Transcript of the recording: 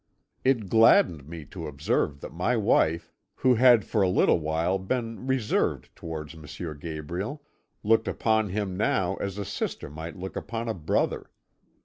It gladdened me to observe that my wife, who had for a little while been reserved towards M. Gabriel, looked upon him now as a sister might look upon a brother.